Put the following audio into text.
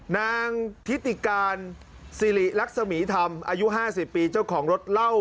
นางทิติการสิริลักษมีธรรมอายุ๕๐ปีเจ้าของรถเล่า